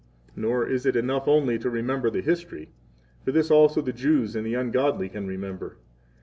32 Nor is it enough only to remember the history; for this also the Jews and the ungodly can remember.